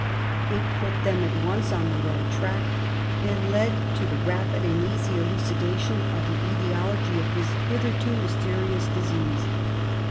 It put them at once on the right track, and led to the rapid and easy elucidation of the JBtiology of this hitherto mysterious disease.